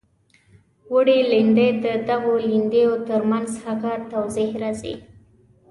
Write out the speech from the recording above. وړې لیندۍ د دغو لیندیو تر منځ هغه توضیح راځي.